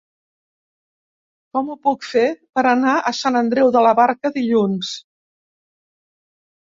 Com ho puc fer per anar a Sant Andreu de la Barca dilluns?